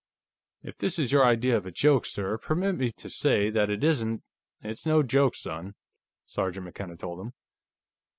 "If this is your idea of a joke, sir, permit me to say that it isn't...." "It's no joke, son," Sergeant McKenna told him.